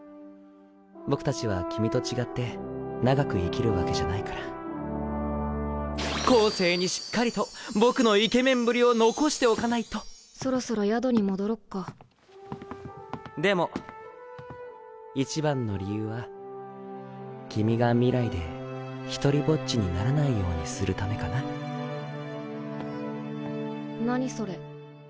僕たちは君と違って長く生きるわけじ後世にしっかりと僕のイケメンぶりを残しておかないとそろそろ宿に戻ろっかでも一番の理由は君が未来で一人ぼっちにならないようにするためかな何それ？